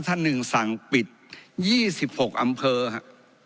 ท่านหนึ่งสั่งปิด๒๖อำเภอครับ